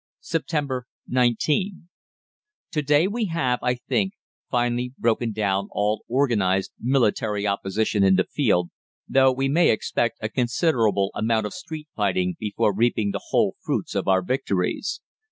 "Sept. 19. To day we have, I think, finally broken down all organised military opposition in the field, though we may expect a considerable amount of street fighting before reaping the whole fruits of our victories.